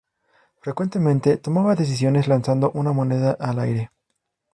Frecuentemente, tomaba decisiones lanzando una moneda al aire.